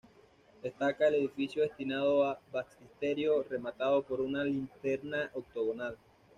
Destaca el edificio destinado a baptisterio, rematado por una linterna octogonal.